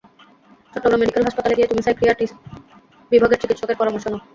Chittagong medical college হাসপাতালে গিয়ে তুমি সাইকিয়াট্রি বিভাগের চিকিৎসকের পরামর্শ নাও।